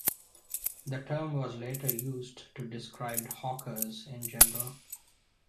The term was later used to describe hawkers in general.